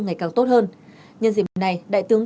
ngày càng tốt hơn nhân dịp này đại tướng